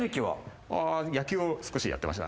野球を少しやってました。